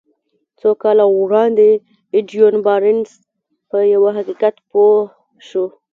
څو کاله وړاندې ايډوين بارنس په يوه حقيقت پوه شو.